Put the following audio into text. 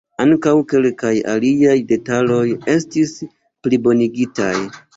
Ankaŭ kelkaj aliaj detaloj estis plibonigitaj.